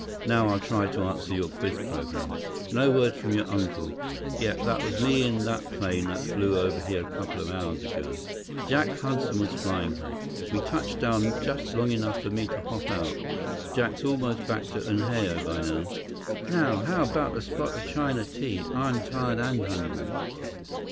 Now I'll try to answer your quiz program. No word from your uncle. Yep, that was me in that plane that flew over here a coupla hours ago. Jack Hudson was flying her. We touched down just long enough for me to hop out. Jack's almost back to Unhao by now. Now how 'bout a spot of China tea? I'm tired and hungry."